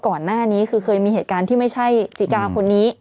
ก่อนหน้านี้คือเคยมีเหตุการณ์ที่ไม่ใช่ศรีกาคนนี้